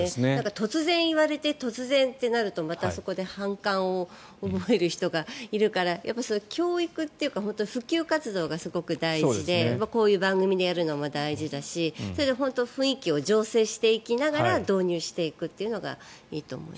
突然言われて、突然となるとまたそこで反感を覚える人がいるから教育っていうか普及活動がすごく大事でこういう番組でやるのも大事だしそれで雰囲気を醸成していきながら導入していくのがいいと思います。